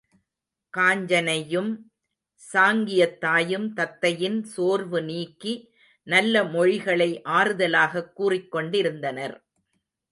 காஞ்சனையும் சாங்கியத்தாயும் தத்தையின் சோர்வு நீக்கி நல்ல மொழிகளை ஆறுதலாகக் கூறிக்கொண்டிருந்தனர்.